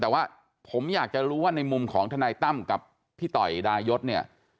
แต่ว่าผมอยากจะรู้ว่าในมุมของทนายตั้มกับพี่ต่อยดายศเนี่ย